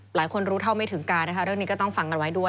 หลายคนรู้เท่าไม่ถึงการนะคะเรื่องนี้ก็ต้องฟังกันไว้ด้วย